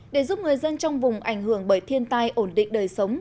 để giúp người dân trong vùng ảnh hưởng bởi thiên tai ổn định đời sống